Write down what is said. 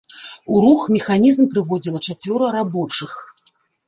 У рух механізм прыводзіла чацвёра рабочых.